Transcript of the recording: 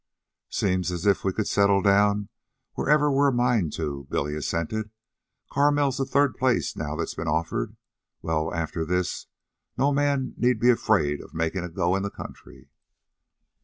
"Seems as if we could settle down wherever we've a mind to," Billy assented. "Carmel's the third place now that's offered. Well, after this, no man need be afraid of makin' a go in the country."